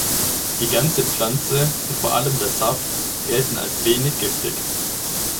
Die ganze Pflanze und vor allem der Saft gelten als wenig giftig.